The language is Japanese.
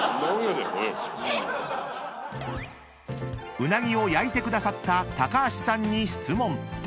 ［うなぎを焼いてくださった橋さんに質問］